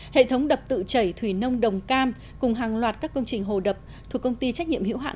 hệ thống đập tự chảy thủy nông đồng cam cùng hàng loạt các công trình hồ đập thuộc công ty trách nhiệm hữu hạn